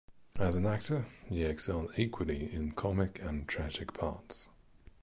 As an actor, he excelled equally in comic and tragic parts.